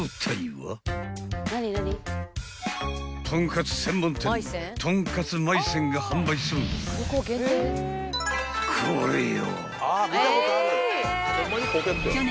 ［とんかつ専門店とんかつまい泉が販売するこれよ］